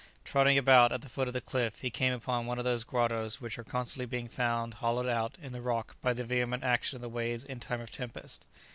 Trotting about at the foot of the cliff, he came upon one of those grottoes which are constantly being found hollowed out in the rock by the vehement action of the waves in times of tempest.